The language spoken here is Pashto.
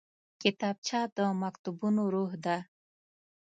کتابچه د مکتبونو روح ده